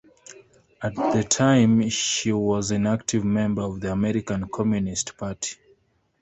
At the time she was an active member of the American Communist Party.